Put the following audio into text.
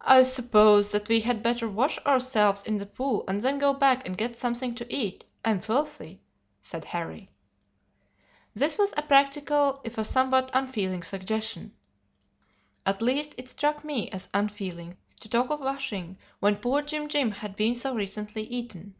"'I suppose that we had better wash ourselves in the pool, and then go back and get something to eat. I am filthy,' said Harry. "This was a practical if a somewhat unfeeling suggestion. At least it struck me as unfeeling to talk of washing when poor Jim Jim had been so recently eaten.